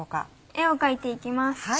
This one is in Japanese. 絵を描いていきます。